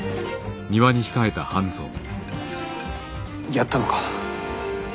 やったのか？